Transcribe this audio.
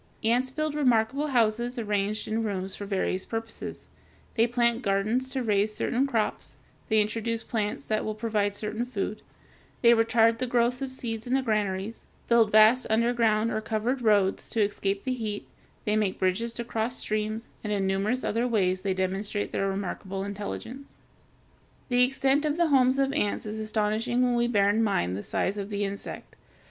Ants build remarkable houses arranged in rooms for various purposes; they plant gardens to raise certain crops; they introduce plants that will provide certain food; they retard the growth of seeds in their granaries; build vast underground or covered roads to escape the heat; they make bridges to cross streams; and in numerous other ways they demonstrate their remarkable intelligence. [Illustration: FIG. 246. Egg and larvæ of the ant.] The extent of the homes of ants is astonishing when we bear in mind the size of the insect.